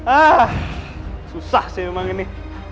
ah susah sih ini